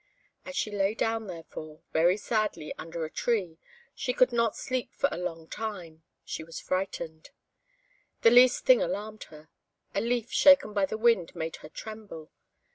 She lay down, therefore, very sadly, under a tree; she could not sleep for a long time she was frightened; the least thing alarmed her: a leaf shaken by the wind made her tremble.